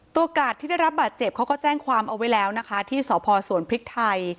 กาดที่ได้รับบาดเจ็บเขาก็แจ้งความเอาไว้แล้วนะคะที่สพสวนพริกไทย